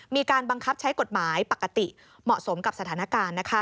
มีการบังคับใช้กฎหมายปกติเหมาะสมกับสถานการณ์